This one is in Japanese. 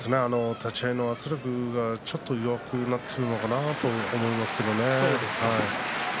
立ち合いの圧力がちょっと弱くなってしまったのかなと思いますね。